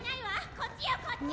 こっちよこっち！